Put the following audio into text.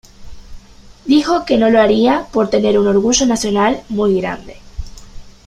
Dijo que no lo haría por tener un orgullo nacional muy grande.